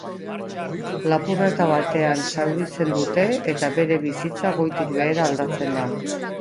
Lapurreta batean zauritzen dute eta bere bizitza goitik behera aldatzen da.